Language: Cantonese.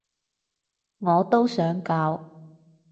我都想搞